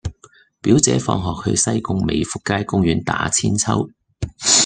表姐放學去左西貢美福街公園打韆鞦